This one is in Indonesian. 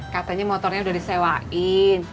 katanya motornya udah disewain